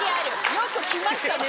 よく来ましたね